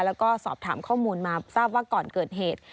แล้วก็สอบถามข้อมูลมาทราบว่าก่อนเกิดเหตุ